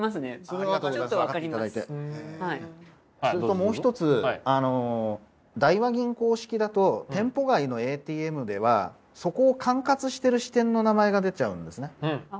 それともう一つ大和銀行式だと店舗外のＡＴＭではそこを管轄してる支店の名前が出ちゃうんですね。